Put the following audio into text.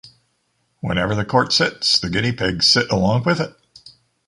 Whenever the court sits the guinea pigs sit along with it.